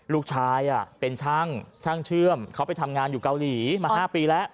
ลูกชายเป็นช่างช่างเชื่อมเขาไปทำงานอยู่เกาหลีมา๕ปีแล้ว